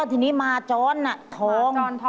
ทีนี้มาโจรทอง